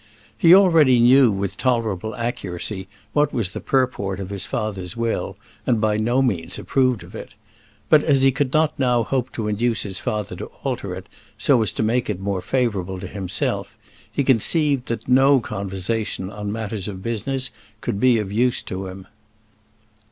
He already knew with tolerable accuracy what was the purport of his father's will, and by no means approved of it; but as he could not now hope to induce his father to alter it so as to make it more favourable to himself, he conceived that no conversation on matters of business could be of use to him.